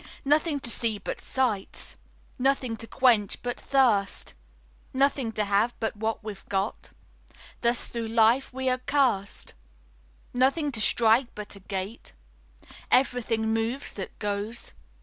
Nothing to see but sights, Nothing to quench but thirst, Nothing to have but what we've got; Thus thro' life we are cursed. Nothing to strike but a gait; Everything moves that goes.